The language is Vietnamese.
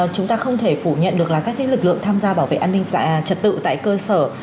chúng ta không thể phủ nhận được các lực lượng tham gia bảo vệ an ninh trật tự tại cơ sở